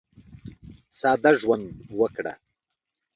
ساده ژوند وکړه.